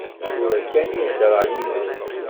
Tura kan i heḍṛeɣ yid-s.